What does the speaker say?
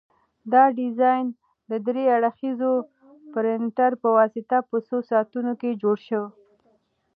دا ډیزاین د درې اړخیزه پرنټر په واسطه په څو ساعتونو کې جوړ شو.